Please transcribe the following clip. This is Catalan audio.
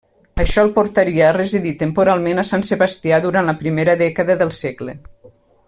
Això el portaria a residir temporalment a Sant Sebastià, durant la primera dècada del segle.